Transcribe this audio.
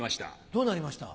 どうなりました？